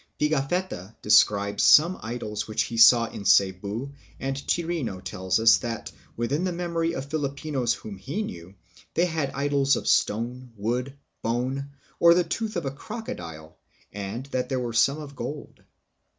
Pigafetta describes some idols which he saw hi Cebu, and Chirino tells us that, within the memory of Filipinos whom he knew, they had idols of stone, wood, bone, or the tooth of a crocodile, and that there were some of gold.